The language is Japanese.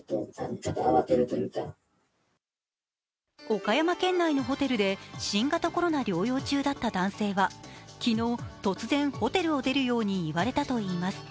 岡山県内のホテルで新型コロナ療養中だった男性は昨日突然ホテルを出るように言われたといいます。